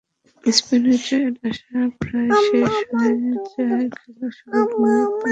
স্পেনের জয়ের আশা প্রায় শেষ হয়ে যায় খেলা শুরুর মিনিট পনেরোর মধ্যেই।